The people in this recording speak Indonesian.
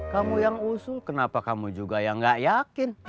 kamu yang usul kenapa kamu juga yang gak yakin